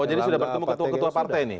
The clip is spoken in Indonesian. oh jadi sudah bertemu ketua ketua partai ini